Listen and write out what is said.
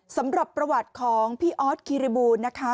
สำหรับประวัติของพี่ออสคิริบูลนะคะ